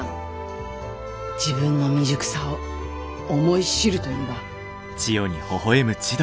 自分の未熟さを思い知るといいわ。